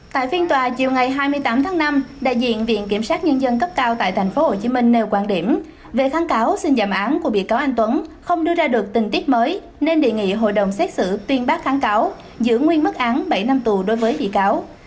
tại phiên tòa chiều ngày hai mươi tám tháng năm đại diện viện kiểm sát nhân dân cấp cao tại tp hcm nêu quan điểm về kháng cáo xin giảm án của bị cáo anh tuấn không đưa ra được tình tiết mới nên đề nghị hội đồng xét xử tuyên bác kháng cáo giữ nguyên mức án bảy năm tù đối với bị cáo